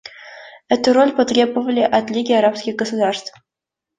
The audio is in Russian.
Эту роль потребовали от Лиги арабских государств.